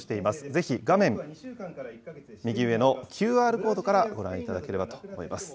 ぜひ画面右上のＱＲコードからご覧いただければと思います。